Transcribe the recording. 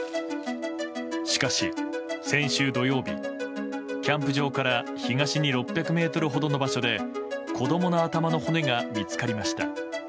しかし、先週土曜日キャンプ場から東に６００ｍほどの場所で子供の頭の骨が見つかりました。